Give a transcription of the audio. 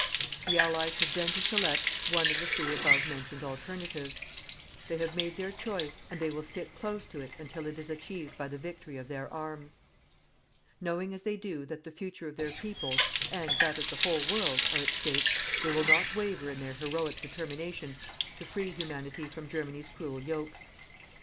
The Allies had then to select one of the three above mentioned alternatives. They have made their choice and they will stick close to it until it is achieved by the victory of their arms. Knowing as they do that the future of their peoples, and that of the whole world, are at stake, they will not waver in their heroic determination to free Humanity from Germany's cruel yoke.